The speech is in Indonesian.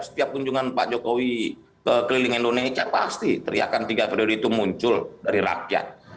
setiap kunjungan pak jokowi ke keliling indonesia pasti teriakan tiga periode itu muncul dari rakyat